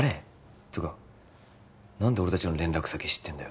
てか何で俺達の連絡先知ってんだよ